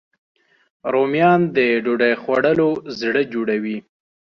رومیان د ډوډۍ خوړلو زړه جوړوي